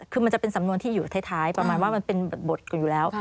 คือมันจะเป็นสำนวนที่อยู่ท้ายประมาณว่ามันเป็นบทอยู่แล้ว